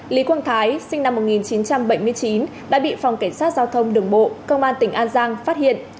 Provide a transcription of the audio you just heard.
lý quang thái sinh năm một nghìn chín trăm bảy mươi chín đã bị phòng cảnh sát giao thông đường bộ công an tỉnh an giang phát hiện